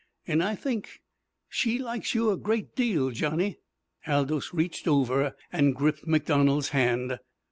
"An' I think she likes you a great deal, Johnny." Aldous reached over and gripped MacDonald's hand.